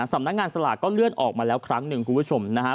สำนักงานสลากก็เลื่อนออกมาแล้วครั้งหนึ่งคุณผู้ชมนะฮะ